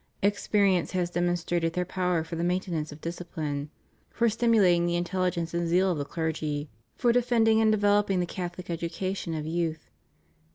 Experience has demonstrated their power for the maintenance of discipline; for stim ulating the intelligence and zeal of the clergy; for de fending and developing the Catholic education of youth.